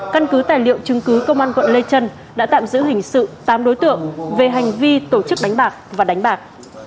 căn cứ tài liệu chứng cứ công an quận lê trân đã tạm giữ hình sự tám đối tượng về hành vi tổ chức đánh bạc và đánh bạc